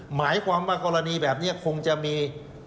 หมายความว่ากรณีแบบนี้คงจะมี